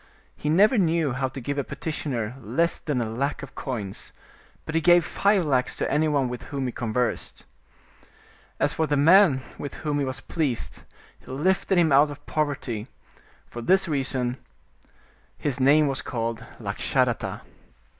He never knew how to give a petitioner less than a lac of coins, but he gave five lacs to anyone with whom he conversed. As for the man with whom he was pleased, he lifted him out of poverty, for this reason his 97 Orientd Mystery Stories name was called Lakshadatta.